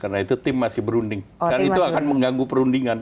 karena itu tim masih berunding karena itu akan mengganggu perundingan